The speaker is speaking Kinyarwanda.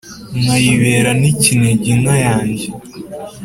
Nkayibera n'ikinege inka yanjye